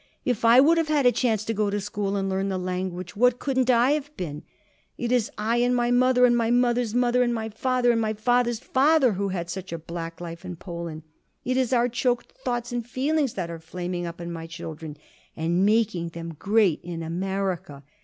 If I would have had a chance to go to school and learn the language, what couldn't I have been? It is I and my mother and my mother's mother and my father and father's father who had such a black life in Poland; it is our choked thoughts and feelings that are flaming up in my children and making them great in America.